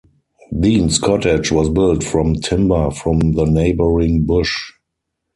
Deans Cottage was built from timber from the neighbouring bush.